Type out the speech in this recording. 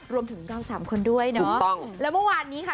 รวมถึงเราสามคนด้วยเนาะถูกต้องแล้วเมื่อวานนี้ค่ะ